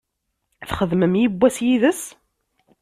Txedmem yewwas yid-s?